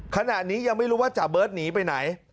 ขณะนี้ยังไม่รู้ว่าจ่าเบิร์ตหนีไปไหน